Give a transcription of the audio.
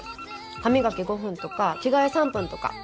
歯磨き５分とか着替え３分とか。